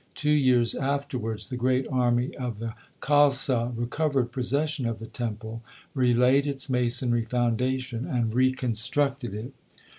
Two years afterwards the great army of the Khalsa recovered possession of the temple, relaid its masonry foundation, and reconstructed it.